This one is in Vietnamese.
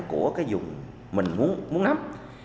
của cái vùng mình muốn nắm